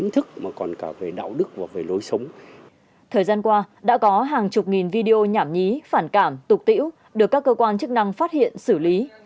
thời gian qua đã có hàng chục nghìn video nhảm nhí phản cảm tục tiễu được các cơ quan chức năng phát hiện xử lý